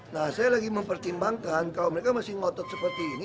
nah saya lagi mempertimbangkan kalau mereka masih ngotot seperti ini